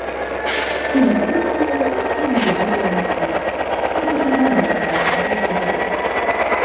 Ценевынослівыя і ценелюбівыя расліны, непатрабавальныя да якасці глебы.